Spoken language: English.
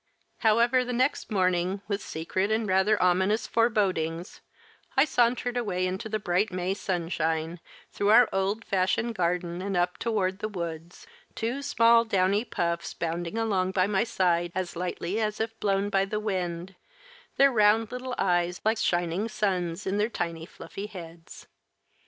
However, the next morning, with secret and rather ominous forebodings, I sauntered away in the bright May sunshine, through our old fashioned garden and up toward the woods, two small downy puffs bounding along by my side as lightly as if blown by the wind, their round little eyes like shining suns in their tiny fluffy heads.